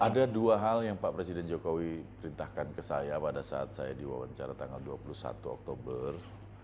ada dua hal yang pak presiden jokowi perintahkan ke saya pada saat saya di wawancara tanggal dua puluh satu oktober